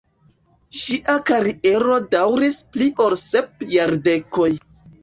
Ŝia kariero daŭris pli ol sep jardekoj.